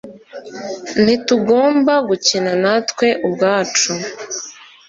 ntitugomba gukina natwe ubwacu.